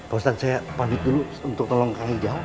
pak ustadz saya pagi dulu untuk tolong kang haji jahal